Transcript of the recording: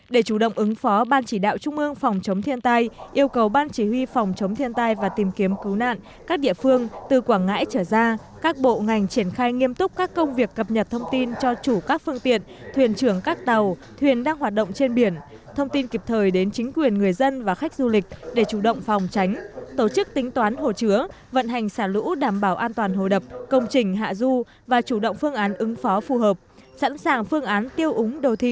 để chủ động ứng phó ban chỉ đạo trung ương phòng chống thiên tài yêu cầu ban chỉ huy phòng chống thiên tài và tìm kiếm cứu nạn các địa phương từ quảng ngãi trở ra các bộ ngành triển khai nghiêm túc các công việc cập nhật thông tin cho chủ các phương tiện thuyền trưởng các tàu thuyền đang hoạt động trên biển thông tin kịp thời đến chính quyền người dân và khách du lịch để chủ động phòng tránh tổ chức tính toán hồ chứa vận hành xả lũ đảm bảo an toàn hồ đập công trình hạ du và chủ động phương án ứng phó phù hợp sẵn sàng phương án tiêu úng